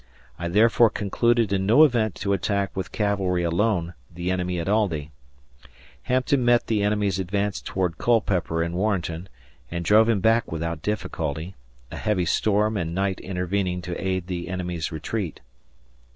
I therefore concluded in no event to attack with cavalry alone the enemy at Aldie. ... Hampton met the enemy's advance toward Culpeper and Warrenton, and drove him back without difficulty a heavy storm and night intervening to aid the enemy's retreat.